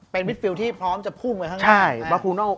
เป็นวิธีที่พร้อมจะพุ่งไปข้างหน้า